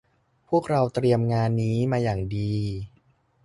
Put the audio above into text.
พวกเราเตรียมงานนี้มาอย่างดี